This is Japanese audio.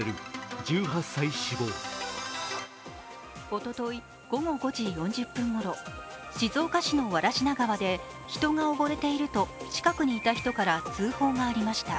おととい午後５時４０分ごろ、静岡市の藁科川で人が溺れていると近くにいた人から通報がありました。